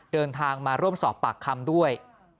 เดินทางมาร่วมสอบปากคำด้วย